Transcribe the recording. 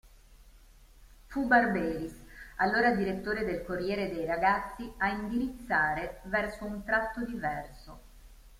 Fu Barberis, allora direttore del "Corriere dei Ragazzi," a indirizzare verso un tratto diverso.